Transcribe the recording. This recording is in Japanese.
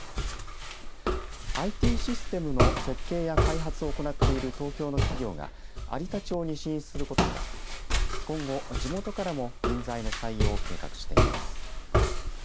ＩＴシステムの設計や開発を行っている東京の企業が有田町に進出することになり今後、地元からも人材の採用を計画しています。